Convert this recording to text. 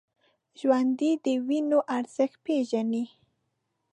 ژوندي د وینو ارزښت پېژني